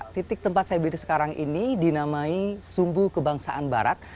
titik tempat saya berdiri sekarang ini dinamai sumbu kebangsaan barat